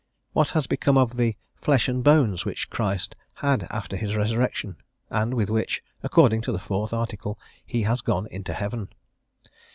What has become of the "flesh and bones" which Christ had after his resurrection and with which, according to the 4th Article, he has gone into heaven?